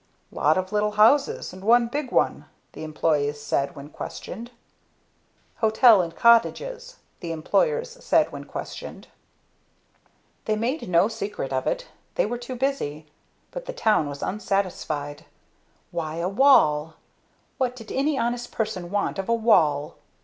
"Lot of little houses and one big one," the employees said when questioned. "Hotel and cottages," the employers said when questioned. They made no secret of it, they were too busy; but the town was unsatisfied. Why a wall? What did any honest person want of a wall?